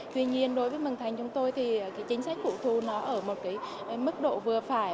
tuy nhiên đối với mần thành chúng tôi thì chính sách phụ thu nó ở một mức độ vừa phải